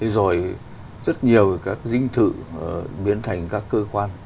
rồi rất nhiều các dinh thự biến thành các cơ quan